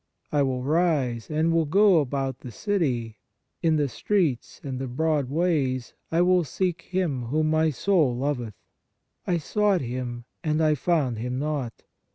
I will rise, and will go about the city : in the streets and the broad ways I will seek Him whom my soul loveth : I sought Him, and I found Him not.